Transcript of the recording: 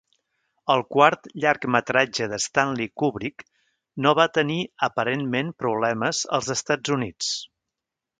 El quart llargmetratge de Stanley Kubrick no va tenir aparentment problemes als Estats Units.